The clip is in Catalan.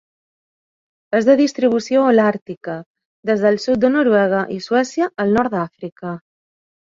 És de distribució holàrtica des del sud de Noruega i Suècia al nord d'Àfrica.